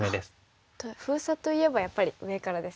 封鎖といえばやっぱり上からですよね。